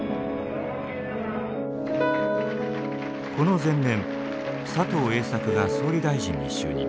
この前年佐藤栄作が総理大臣に就任。